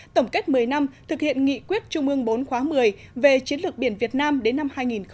tổng kết một mươi năm thực hiện nghị quyết trung ương bốn khóa một mươi về chiến lược biển việt nam đến năm hai nghìn ba mươi